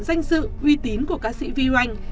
danh sự uy tín của ca sĩ vi hoành